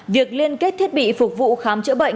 việc liên kết thiết bị phục vụ khám chữa bệnh